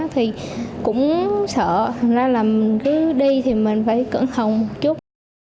thì cũng sợ hình ra là cứ đi thì mình phải cẩn thận một chút